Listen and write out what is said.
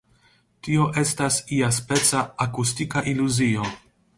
Tio estas iaspeca „akustika iluzio“.